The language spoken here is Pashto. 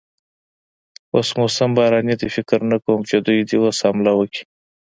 اوس موسم باراني دی، فکر نه کوم چې دوی دې اوس حمله وکړي.